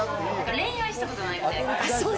恋愛したことないみたいな。